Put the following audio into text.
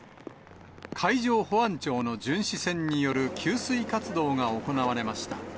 海上保安庁の巡視船による給水活動が行われました。